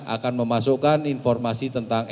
akan memasukkan informasi tentang